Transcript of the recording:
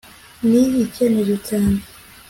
ni icyemezo cyanjye